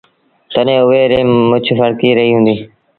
تڏهيݩ اُئي ريٚ مڇ ڦڙڪي رهيٚ هُݩدي۔